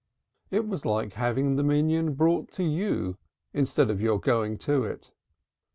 It was like having the prayer quorum brought to you, instead of your going to it.